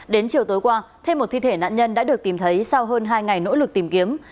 đến chiều tối qua thêm một thi thể nạn nhân đã được tìm thấy sau hơn hai ngày nỗ lực tìm kiếm